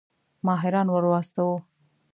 ماهران ورواستوو.